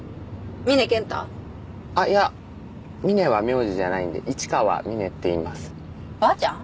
あっいやみねは名字じゃないんで市川みねって言いますばあちゃん？